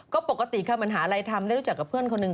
ก็ปกติค่ะมันหาอะไรทำได้รู้จักกับเพื่อนคนหนึ่ง